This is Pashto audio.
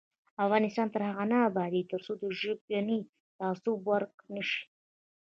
افغانستان تر هغو نه ابادیږي، ترڅو ژبنی تعصب ورک نشي.